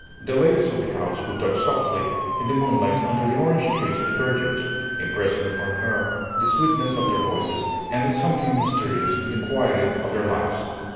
The ladies of the house would talk softly in the moonlight under the orange trees of the courtyards, impressing upon her the sweetness of their voices and the something mysterious in the quietude of their lives.